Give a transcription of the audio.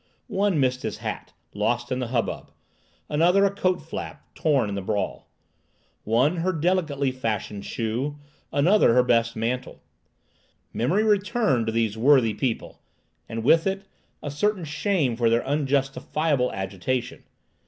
One missed his hat, lost in the hubbub; another a coat flap, torn in the brawl; one her delicately fashioned shoe, another her best mantle. Memory returned to these worthy people, and with it a certain shame for their unjustifiable agitation.